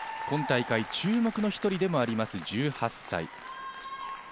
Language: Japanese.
今大会注目の１人でもあります、１８歳。